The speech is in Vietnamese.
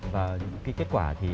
và cái kết quả thì